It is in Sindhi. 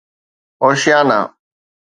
اوشيانا